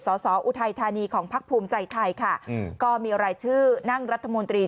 สอสออุทัยธานีของพักภูมิใจไทยค่ะก็มีรายชื่อนั่งรัฐมนตรี